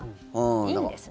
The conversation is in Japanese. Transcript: いいんですね。